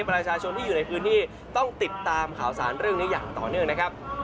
ประชาชนที่อยู่ในพื้นที่ต้องติดตามข่าวสารเรื่องนี้อย่างต่อเนื่องนะครับ